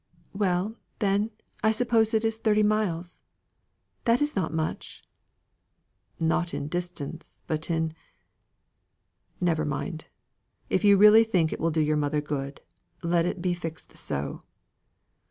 "Well, then, I suppose it is thirty miles; that is not much!" "Not in distance, but in . Never mind! If you really think it will do your mother good, let it be fixed so."